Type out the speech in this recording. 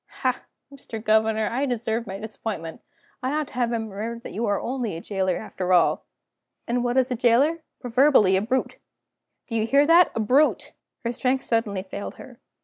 Ha, Mr. Governor, I deserve my disappointment! I ought to have remembered that you are only a jailer after all. And what is a jailer? Proverbially a brute. Do you hear that? A brute!" Her strength suddenly failed her.